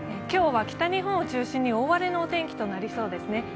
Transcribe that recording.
今日は北日本を中心に大荒れのお天気となりそうですね。